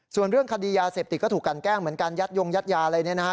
ส่วนเรื่องคดียาเสพติดก็ถูกกันแกล้งเหมือนกันยัดยงยัดยาอะไรเนี่ยนะฮะ